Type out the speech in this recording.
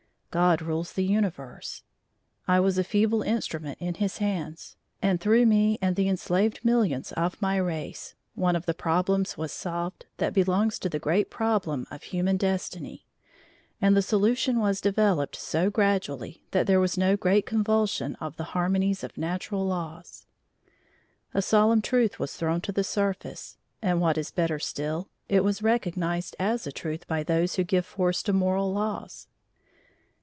God rules the Universe. I was a feeble instrument in His hands, and through me and the enslaved millions of my race, one of the problems was solved that belongs to the great problem of human destiny; and the solution was developed so gradually that there was no great convulsion of the harmonies of natural laws. A solemn truth was thrown to the surface, and what is better still, it was recognized as a truth by those who give force to moral laws.